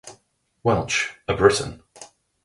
Welch, a Briton.